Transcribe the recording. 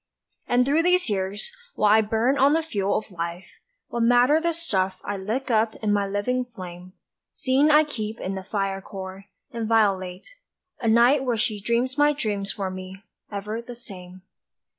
And through these years, while I burn on the fuel of life, What matter the stuff I lick up in my living flame, Seeing I keep in the fire core, inviolate, A night where she dreams my dreams for me, ever the same.